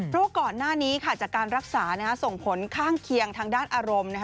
เพราะว่าก่อนหน้านี้จากการรักษาส่งผลข้างเคียงทางด้านอารมณ์